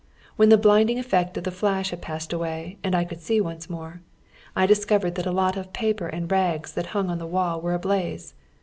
"When the blinding effect of the flasli had passed away and I could see once more, I discovered that a lot of paper and rags that hung on the wall were ablaze.